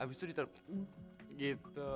abis itu ditelet gitu